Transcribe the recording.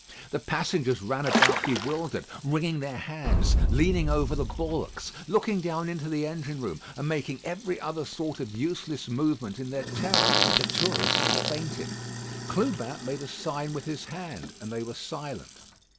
The passengers ran about bewildered, wringing their hands, leaning over the bulwarks, looking down in the engine room, and making every other sort of useless movement in their terror. The tourist had fainted. Clubin made a sign with his hand, and they were silent.